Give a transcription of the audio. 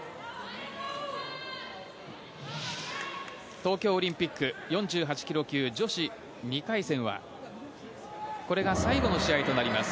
東京オリンピック４８ｋｇ級女子２回戦はこれが最後の試合となります。